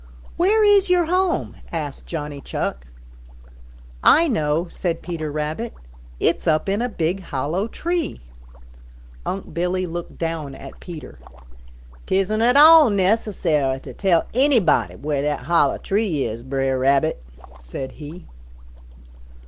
"Where is your home?" asked Johnny Chuck. "I know," said Peter Rabbit. "It's up in a big hollow tree." Unc' Billy looked down at Peter. "'Tisn't at all necessary to tell anybody where that hollow tree is, Bre'r Rabbit," said he.